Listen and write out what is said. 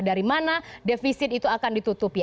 dari mana defisit itu akan ditutupi